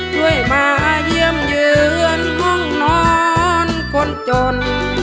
ช่วยมาเยี่ยมเยือนห้องนอนคนจน